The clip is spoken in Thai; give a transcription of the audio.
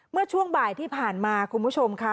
เมื่อช่วงบ่ายที่ผ่านมาคุณผู้ชมค่ะ